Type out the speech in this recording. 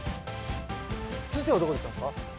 先生はどこ行ったんですか？